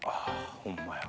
ホンマや。